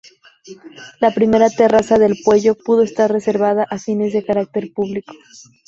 La primera terraza de El Pueyo, pudo estar reservada a fines de carácter público.